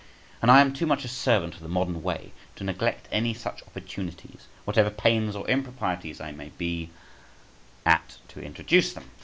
And I am too much a servant of the modern way to neglect any such opportunities, whatever pains or improprieties I may be at to introduce them.